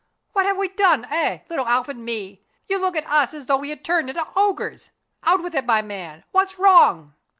What have we done, eh, little Alf and me? You look at us as though we had turned into ogres. Out with it, my man. What's wrong?"